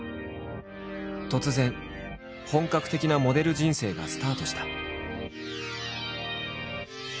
突然本格的なモデル人生がスタートした。